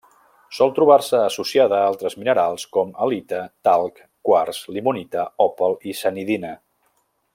Sol trobar-se associada a altres minerals com: halita, talc, quars, limonita, òpal i sanidina.